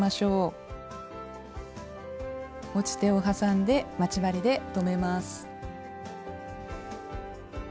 持ち手をはさんで待ち針で留めます。